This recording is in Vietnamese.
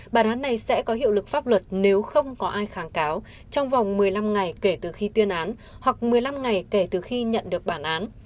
bản án này sẽ có hiệu lực pháp luật nếu không có ai kháng cáo trong vòng một mươi năm ngày kể từ khi tuyên án hoặc một mươi năm ngày kể từ khi nhận được bản án